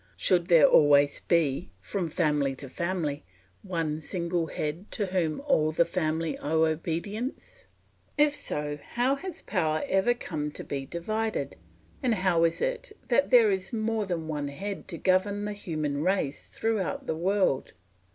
Should there always be, from family to family, one single head to whom all the family owe obedience? If so, how has power ever come to be divided, and how is it that there is more than one head to govern the human race throughout the world?